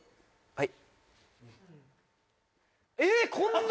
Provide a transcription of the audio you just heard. はい。